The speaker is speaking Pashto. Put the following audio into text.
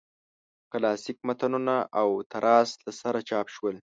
کلاسیک متنونه او تراث له سره چاپ شول.